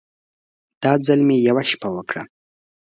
دا ځل مې يوه شپه وکړه.